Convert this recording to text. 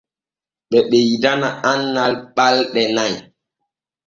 Ɓe ɓeydana annal ɓalɗe nay.